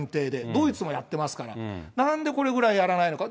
ドイツもやってますから、なんでこれぐらいやらないのか。